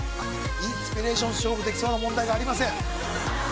インスピレーション勝負できそうな問題がありません